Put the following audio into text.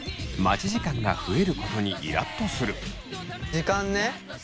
時間ね。